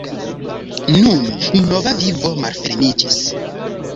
Nun nova vivo malfermiĝis.